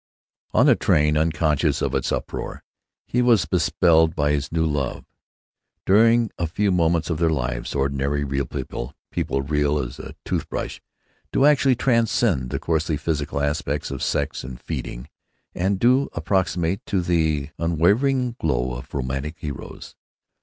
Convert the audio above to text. On the train, unconscious of its uproar, he was bespelled by his new love. During a few moments of their lives, ordinary real people, people real as a tooth brush, do actually transcend the coarsely physical aspects of sex and feeding, and do approximate to the unwavering glow of romantic heroes.